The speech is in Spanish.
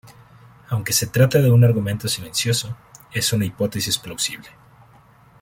Aunque se trata de un argumento silencioso, es una hipótesis plausible.